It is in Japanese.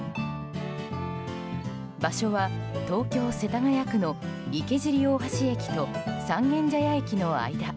場所は、東京・世田谷区の池尻大橋駅と三軒茶屋駅の間。